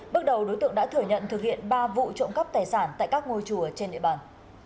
bước đầu đối tượng đã thừa nhận thực hiện ba vụ trộm cắp tài sản tại các ngôi chùa trên địa bàn